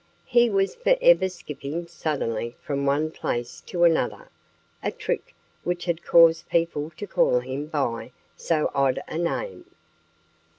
He was forever skipping suddenly from one place to another a trick which had caused people to call him by so odd a name.